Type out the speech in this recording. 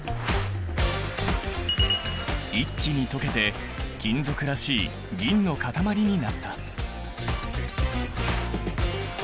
一気に溶けて金属らしい銀の塊になった。